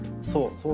そう。